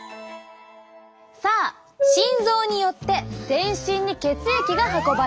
さあ心臓によって全身に血液が運ばれます。